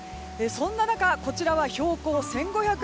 そんな中こちらは標高１５００ｍ。